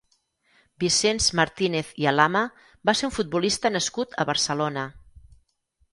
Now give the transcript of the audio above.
Vicenç Martínez i Alama va ser un futbolista nascut a Barcelona.